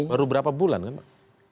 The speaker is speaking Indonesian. baru berapa bulan kan pak